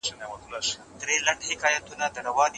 لویه جرګه ولي رابلل کیږي؟